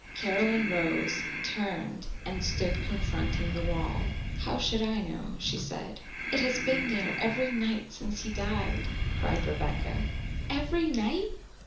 Caroline rose, turned, and stood confronting the wall. "How should I know?" she said. "It has been there every night since he died," cried Rebecca. "Every night?"